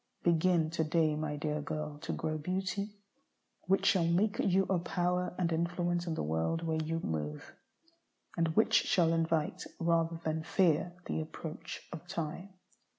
Begin to day, my dear girl, to grow beauty which shall make you a power and an influence in the world where you move, and which shall invite, rather than fear, the approach of time.